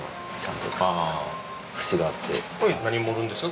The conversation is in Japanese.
何盛るんですか？